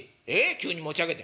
急に持ち上げて」。